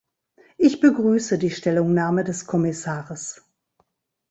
Ich begrüße die Stellungnahme des Kommissars.